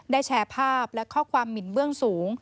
แชร์ภาพและข้อความหมินเบื้องสูง